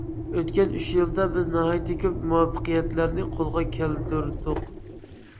ئۆتكەن ئۈچ يىلدا بىز ناھايىتى كۆپ مۇۋەپپەقىيەتلەرنى قولغا كەلتۈردۇق.